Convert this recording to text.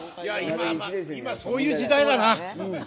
今そういう時代だな。